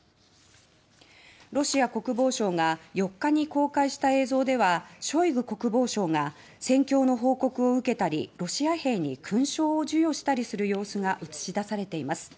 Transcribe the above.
ロシア国防省が４日に公開した映像ではショイグ国防相が戦況の報告を受けたりロシア兵に勲章を授与したりする様子が映し出されています。